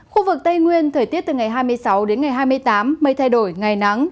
khu vực tây nguyên thời tiết từ ngày hai mươi sáu đến ngày hai mươi tám mây thay đổi ngày nắng